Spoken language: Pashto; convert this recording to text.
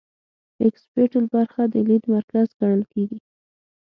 اکسیپیټل برخه د لید مرکز ګڼل کیږي